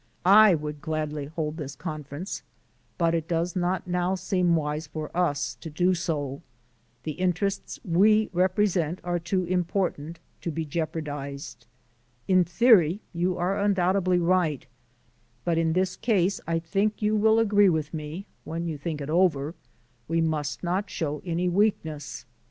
I would gladly hold this conference, but it does not now seem wise for us to do so. The interests we represent are too important to be jeopardized. In theory you are undoubtedly right, but in this case I think you will agree with me (when you think it over), we must not show any weakness.